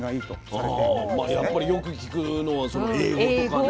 やっぱりよく聞くのはそのＡ５とかね